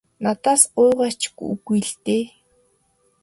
Надаас гуйгаа ч үгүй л дээ.